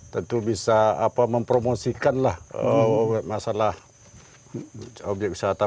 tentu bisa mempromosikanlah masalah objek wisata